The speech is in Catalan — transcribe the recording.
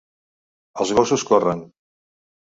Els gossos corren.